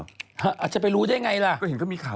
อาจจะไปรู้ได้ไงล่ะ